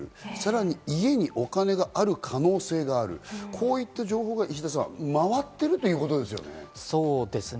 さらに家にお金がある可能性がある、こういった情報が回っているということですよね？